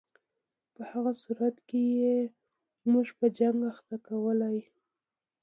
په هغه صورت کې یې موږ په جنګ اخته کولای.